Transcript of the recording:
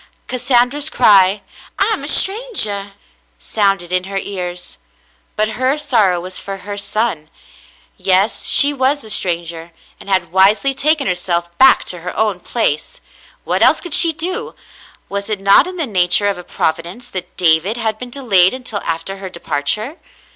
Cassandra's cry, "I am a strangah!" sounded in her ears, but her sorrow was for her son. Yes, she was a stranger, and had wisely taken herself back to her own place ; what else could she do ? Was it not in the nature of a Providence that David had been delayed until after her departure